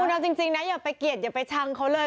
เอาจริงนะอย่าไปเกลียดอย่าไปชังเขาเลย